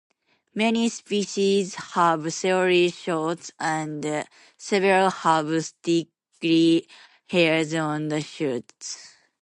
Many species have thorny shoots, and several have sticky hairs on the shoots.